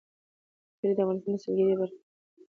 کلي د افغانستان د سیلګرۍ یوه برخه ده.